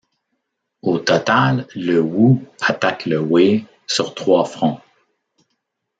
Au total, le Wu attaque le Wei sur trois fronts.